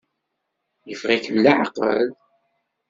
Yeffeɣ-ikem leɛqel?